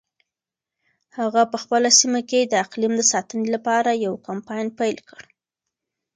هغه په خپله سیمه کې د اقلیم د ساتنې لپاره یو کمپاین پیل کړ.